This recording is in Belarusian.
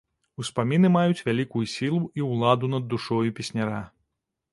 Успаміны маюць вялікую сілу і ўладу над душою песняра.